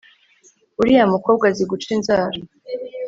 uriya mukobwa azi guca inzara